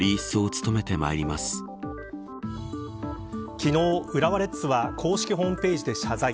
昨日、浦和レッズは公式ホームページで謝罪。